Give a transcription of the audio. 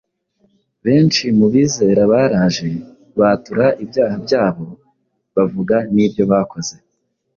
benshi mu bizera baraje, batura ibyaha byabo, bavuga n’ibyo bakoze.